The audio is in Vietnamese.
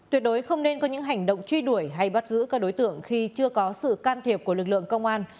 tuyệt đối không nên có những hành động truy đuổi hay bắt giữ các đối tượng khi chưa có sự can thiệp của lực lượng công an